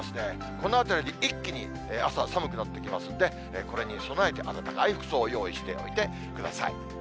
このあたりで一気に朝は寒くなってきますんで、これに備えて暖かい服装を用意しておいてください。